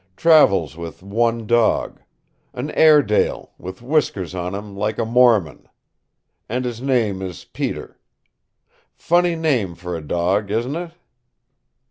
Travels with one dog. An Airedale, with whiskers on him like a Mormon. And his name is Peter. Funny name for a dog, isn't it?"